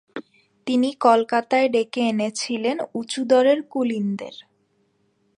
তিনি কলকাতায় ডেকে এনেছিলেন উঁচুদরের কুলীনদের।